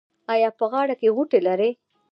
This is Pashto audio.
ایا په غاړه کې غوټې لرئ؟